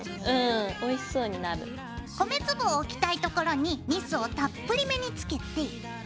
米粒を置きたいところにニスをたっぷりめにつけて。